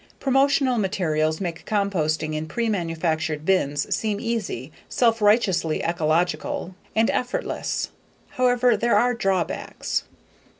Promotional materials make composting in pre manufactured bins seem easy, self righteously ecological, and effortless. However, there are drawbacks.